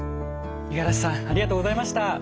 五十嵐さんありがとうございました。